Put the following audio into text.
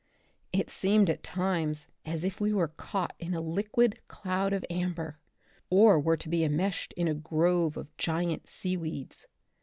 It seemed at times as if we were caught in a liquid cloud of amber, or were to be en meshed in a grove of giant sea weeds.